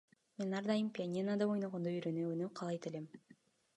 Мен ар дайым пианинодо ойногонду үйрөнүүнү каалайт элем.